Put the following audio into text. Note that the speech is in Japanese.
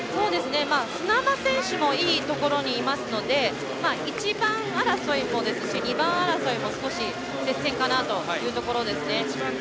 砂間選手もいいところにいますので１番争いも、そうですし２番争いも少し接戦かなというところですね。